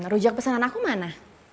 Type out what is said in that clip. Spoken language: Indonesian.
rujak pesanan aku mana